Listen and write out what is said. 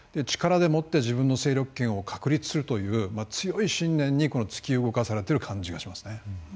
力でもって自分の勢力圏を確立するという強い信念に突き動かされてる感じがしますね。